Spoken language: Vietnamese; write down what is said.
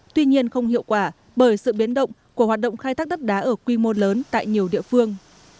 tuy nhiên không hiệu quả bởi sự biến động của hoạt động khai thác đất đá ở quy mô lớn tại nhiều địa phương